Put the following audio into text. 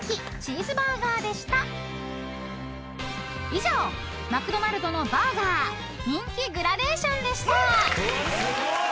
［以上マクドナルドのバーガー人気グラデーションでした］